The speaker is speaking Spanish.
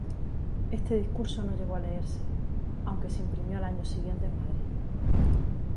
Este discurso no llegó a leerse, aunque se imprimió al año siguiente en Madrid.